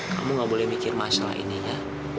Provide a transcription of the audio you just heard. kamu gak boleh mikir masalah ini ya